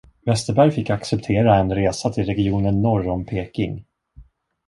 Westerberg fick acceptera en resa till regionen norr om Peking.